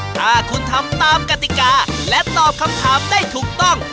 ถ้าคุณทำตามกติกาและตอบคำถามได้ถูกต้อง